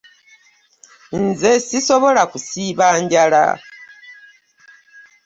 Nze sisobola kusiiba njala.